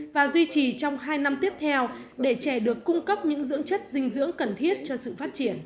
và duy trì trong hai năm tiếp theo để trẻ được cung cấp những dưỡng chất dinh dưỡng cần thiết cho sự phát triển